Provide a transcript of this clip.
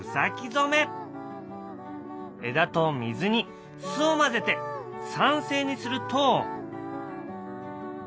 枝と水に酢を混ぜて酸性にすると。